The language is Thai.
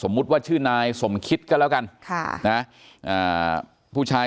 สมมุติว่าชื่อนายสมคิดก็แล้วกันค่ะน่ะอ่าผู้ชาย